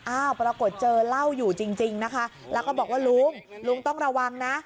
ปรากฏเจอเหล้าอยู่จริงนะคะแล้วก็บอกว่าลุงลุงต้องระวังนะ